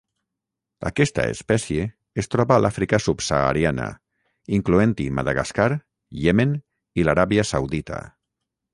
Aquesta espècie es troba a l'Àfrica subsahariana, incloent-hi Madagascar, Iemen i l'Aràbia Saudita.